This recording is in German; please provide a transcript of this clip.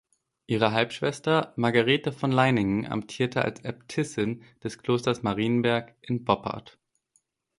Ihre Halbschwester Margarethe von Leiningen amtierte als Äbtissin des Klosters Marienberg in Boppard.